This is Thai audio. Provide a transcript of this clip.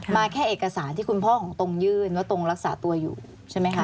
แค่เอกสารที่คุณพ่อของตรงยื่นว่าตรงรักษาตัวอยู่ใช่ไหมคะ